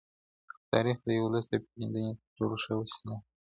تاريخ د يو ولس د پېژندنې تر ټولو ښه وسيله ده.